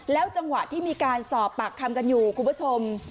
จังหวะที่มีการสอบปากคำกันอยู่คุณผู้ชม